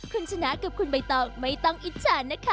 คุณชนะกับคุณใบตองไม่ต้องอิจฉานนะคะ